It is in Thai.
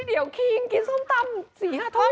เดี๋ยวคิงกินส้มตำ๔๕ทุ่ม